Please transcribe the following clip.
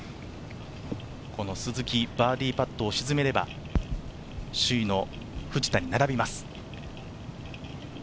鈴木、バーディーパットを沈めれば首位の藤田に並びます。